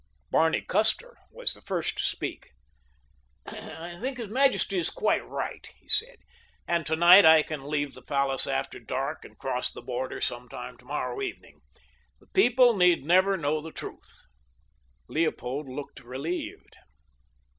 Barney Custer was the first to speak. "I think his majesty is quite right," he said, "and tonight I can leave the palace after dark and cross the border some time tomorrow evening. The people need never know the truth." Leopold looked relieved.